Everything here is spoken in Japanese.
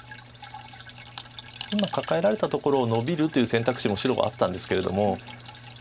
今カカえられたところをノビるという選択肢も白はあったんですけれども。